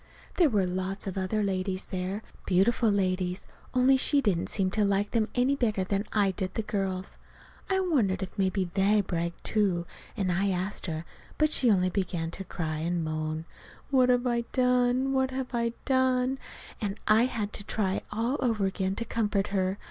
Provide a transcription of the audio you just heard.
There were lots of other ladies there beautiful ladies only she didn't seem to like them any better than I did the girls. I wondered if maybe they bragged, too, and I asked her; but she only began to cry again, and moan, "What have I done, what have I done?" and I had to try all over again to comfort her.